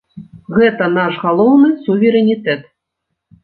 Гэта наш галоўны суверэнітэт!